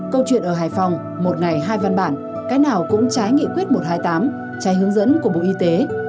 câu chuyện ở hải phòng một ngày hai văn bản cái nào cũng trái nghị quyết một trăm hai mươi tám trái hướng dẫn của bộ y tế